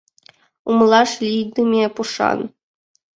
Умылаш лийдыме пушан.